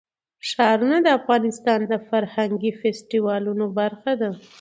ښارونه د افغانستان د فرهنګي فستیوالونو برخه ده.